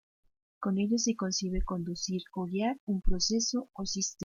Con ello se consigue conducir o guiar un proceso o sistema.